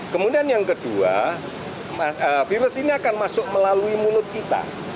kemudian yang kedua virus ini akan masuk melalui mulut kita